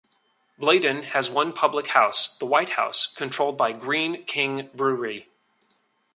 Bladon has one public house, the White House, controlled by Greene King Brewery.